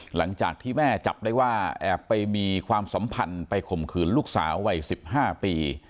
หลังจากที่แม่จับได้ว่าแอบไปมีความสัมพันธ์ไปข่มขืนลูกสาววัย๑๕ปี